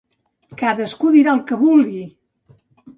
Cadascú dirà el que vulgui!